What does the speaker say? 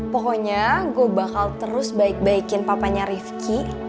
pokoknya gue bakal terus baik baikin papanya rifki